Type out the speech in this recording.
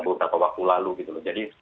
beberapa waktu lalu gitu loh jadi